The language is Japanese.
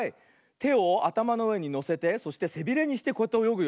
てをあたまのうえにのせてそしてせびれにしてこうやっておよぐよ。